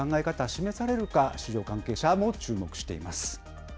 示されるか、市場関係者も注目しています。